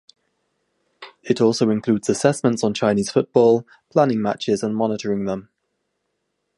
It also includes assessments on Chinese football, planning matches and monitoring them.